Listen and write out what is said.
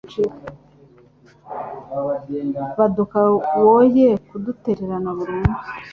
Baduka woye kudutererana burundu